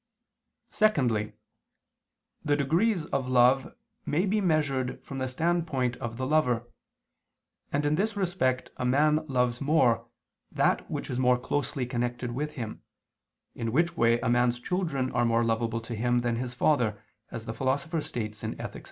Secondly, the degrees of love may be measured from the standpoint of the lover, and in this respect a man loves more that which is more closely connected with him, in which way a man's children are more lovable to him than his father, as the Philosopher states (Ethic.